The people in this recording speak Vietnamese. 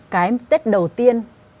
cái tết đầu tiên